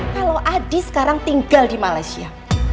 kalau adi sekarang tinggal di malaysia